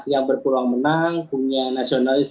yang berpeluang menang punya nasionalis